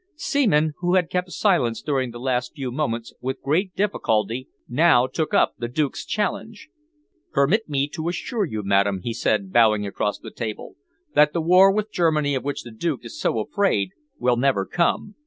Seaman, who had kept silence during the last few moments with great difficulty, now took up the Duke's challenge. "Permit me to assure you, madam," he said, bowing across the table, "that the war with Germany of which the Duke is so afraid will never come.